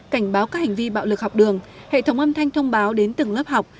cảnh báo các hành vi bạo lực học đường hệ thống âm thanh thông báo đến từng lớp học